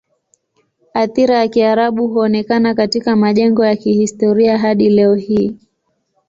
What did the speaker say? Athira ya Kiarabu huonekana katika majengo ya kihistoria hadi leo hii.